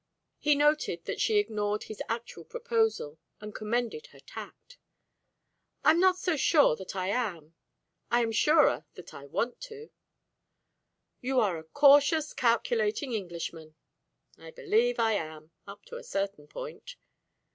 He noted that she ignored his actual proposal, and commended her tact. "I am not so sure that I am; I am surer that I want to." "You are a cautious calculating Englishman." "I believe I am up to a certain point."